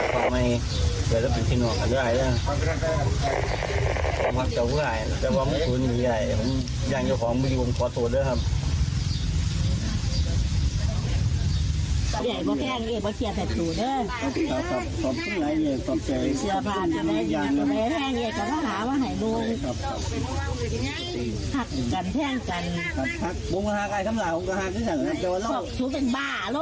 ผมฮักเจ้าผู้ใหญ่นะแต่ว่าผมถูกหนีใหญ่ผมยังอยู่ของมีผมขอโทษด้วยครับ